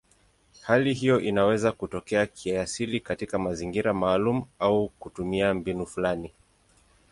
Hali hiyo inaweza kutokea kiasili katika mazingira maalumu au kwa kutumia mbinu fulani.